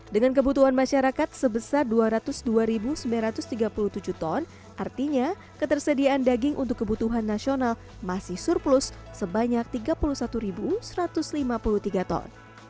dengan kebutuhan masyarakat sebesar dua ratus dua sembilan ratus tiga puluh tujuh ton artinya ketersediaan daging untuk kebutuhan nasional masih surplus sebanyak tiga puluh satu satu ratus lima puluh tiga ton